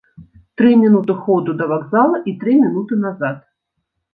Тры мінуты ходу да вакзала і тры мінуты назад.